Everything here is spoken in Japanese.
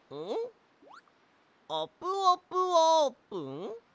「あぷあぷあぷん」？